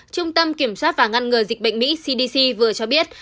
trung tâm kiểm soát và ngăn ngừa dịch bệnh mỹ cdc vừa cho biết